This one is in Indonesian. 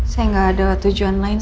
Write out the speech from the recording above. saya nggak ada tujuan lain